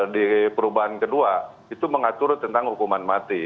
di perubahan kedua itu mengatur tentang hukuman mati